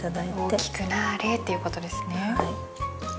大きくなーれっていうことですね。